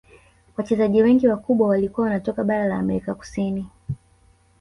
Wachezaji wengi wakubwa walikuwa wanatoka bara la amerika kusini